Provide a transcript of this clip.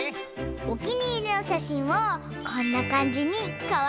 おきにいりのしゃしんをこんなかんじにかわいくかざれるの。